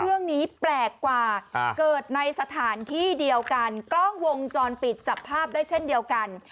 เรื่องนี้แปลกกว่าเกิดในสถานที่เดียวกันกล้องวงจรปิดจับภาพได้เช่นเดียวกัน